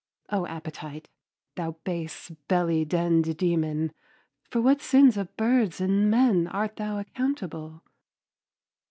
O Appetite! thou base belly denned demon, for what sins of birds and men art thou accountable!